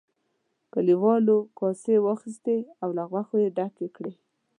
کليوالو کاسې واخیستې او له غوښو یې ډکې کړې.